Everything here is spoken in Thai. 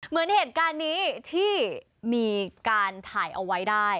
เหมือนเหตุการณ์นี้ที่มีการถ่ายเอาไว้ได้